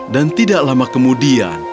dan tidak lama kemudian